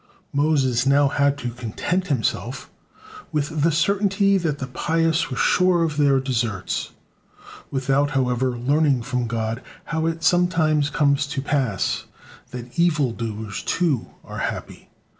Moses now had to content himself with the certainty that the pious were sure of their deserts; without, however, learning from God, how it sometimes comes to pass that evil doers, too, are happy.